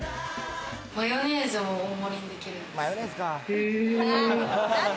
マヨネーズも大盛りにできるんです。